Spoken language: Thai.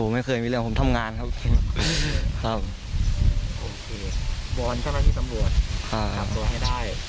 ไม่เคยมีเรื่องผมทำงานครับครับบรรที่สำรวจอ่าส่งตัวให้ได้